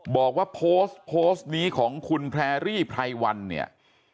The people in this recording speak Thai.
บอกว่าโพสต์โพสต์นี้ของคุณแพรรี่ไพรวันเนี่ย